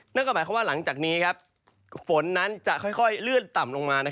นั่นก็หมายความว่าหลังจากนี้ฝนนั้นจะค่อยเลื่อนต่ำลงมา